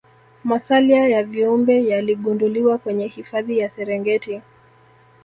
Masalia ya viumbe yaligunduliwa kwenye hifadhi ya serengeti